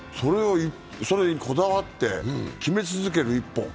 それにこだわって決め続ける一本。